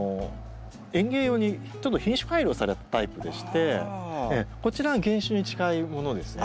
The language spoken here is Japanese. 園芸用にちょっと品種改良されたタイプでしてこちらが原種に近いものですね。